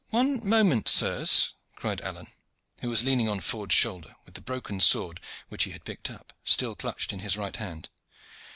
"One moment, sirs," cried Alleyne, who was leaning on Ford's shoulder, with the broken sword, which he had picked up, still clutched in his right hand.